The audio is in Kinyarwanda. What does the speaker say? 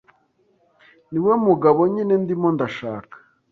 Niwe mugabo nyine ndimo ndashaka.